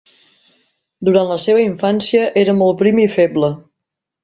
Durant la seva infància era molt prim i feble.